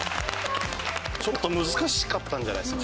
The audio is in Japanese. ちょっと難しかったんじゃないですか？